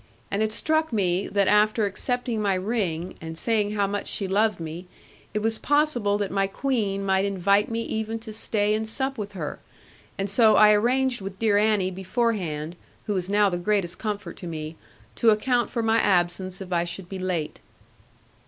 And it struck me that after accepting my ring, and saying how much she loved me, it was possible that my Queen might invite me even to stay and sup with her: and so I arranged with dear Annie beforehand, who was now the greatest comfort to me, to account for my absence if I should be late.